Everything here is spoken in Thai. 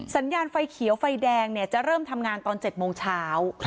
สัญญาณไฟเขียวไฟแดงจะเริ่มทำงานตอน๗โมงเช้า